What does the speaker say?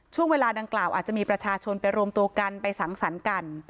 ช่วงเวลาดังกล่าวอาจจะมีประชาชนไปรวมตัวกันไปสังสรรค์กัน